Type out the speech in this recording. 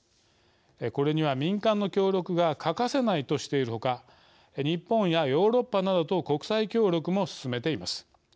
これには民間の協力が欠かせないとしている他日本やヨーロッパなどと国際協力も進めています。